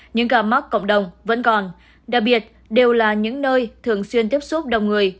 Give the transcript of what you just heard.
những ca mắc cộng đồng vẫn còn đặc biệt đều là những nơi thường xuyên tiếp xúc đông người